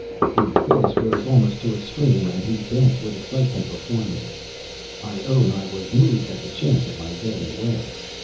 His voice rose almost to a scream, and he danced with excitement before me. I own I was moved at the chance of my getting away.